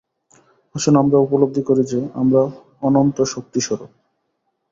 আসুন আমরা উপলব্ধি করি যে, আমরা অনন্ত শক্তিস্বরূপ।